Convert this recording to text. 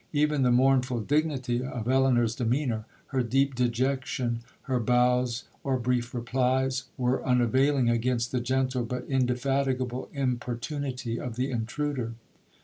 Even the mournful dignity of Elinor's demeanour,—her deep dejection,—her bows or brief replies,—were unavailing against the gentle but indefatigable importunity of the intruder.